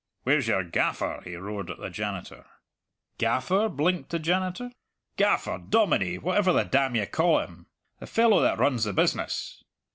"Where's your gaffer?" he roared at the janitor. "Gaffer?" blinked the janitor. "Gaffer, dominie, whatever the damn you ca' him the fellow that runs the business."